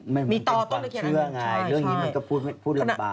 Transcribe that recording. มันเป็นความเชื่อไงเรื่องนี้มันก็พูดลำบาก